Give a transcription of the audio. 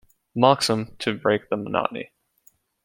Moxham, "to break the monotony".